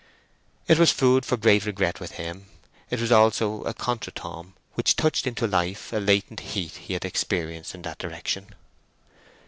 It was food for great regret with him; it was also a contretemps which touched into life a latent heat he had experienced in that direction.